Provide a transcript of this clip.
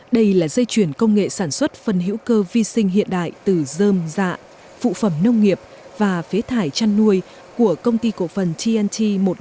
đây là dây chuyển công nghệ sản xuất phân hữu cơ vi sinh hiện đại từ dơm dạ phụ phẩm nông nghiệp và phế thải chăn nuôi của công ty cổ phần tnt một trăm năm mươi